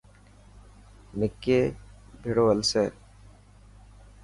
نڪي ڀيڙو هلسي.